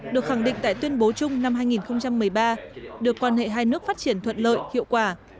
được khẳng định tại tuyên bố chung năm hai nghìn một mươi ba đưa quan hệ hai nước phát triển thuận lợi hiệu quả